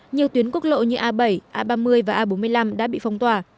nhiều tuyến quốc lộ như a bảy a ba mươi và a bốn mươi năm đã bị phong tỏa